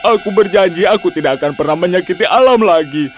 aku berjanji aku tidak akan pernah menyakiti alam lagi